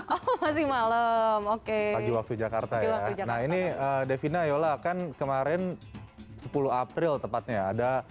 aku pagi malam oke pagi waktu jakarta ya nah ini devina yola kan kemarin sepuluh april tepatnya ada